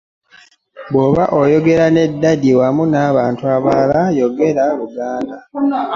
Bw'oba oyogera ne Dadi wamu n'abantu abalala oyogera Luganda.